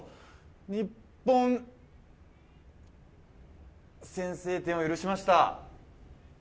日本先制点を許しました。